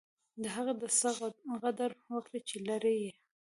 د هغه څه قدر وکړئ، چي لرى يې.